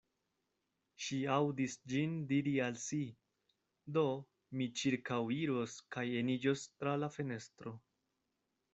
Ŝi aŭdis ĝin diri al si: “Do, mi ĉirkaŭiros kaj eniĝos tra la fenestro.”